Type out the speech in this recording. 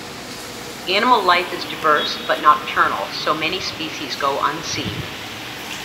Animal life is diverse but nocturnal, so many species go unseen.